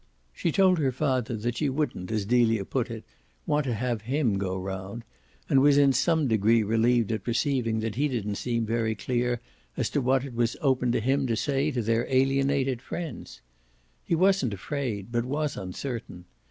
She told her father that she wouldn't, as Delia put it, "want to have him" go round, and was in some degree relieved at perceiving that he didn't seem very clear as to what it was open to him to say to their alienated friends. He wasn't afraid but was uncertain.